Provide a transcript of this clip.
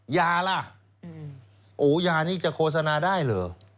ยาล่ะโอ้ยานี่จะโฆษณาได้เหรอ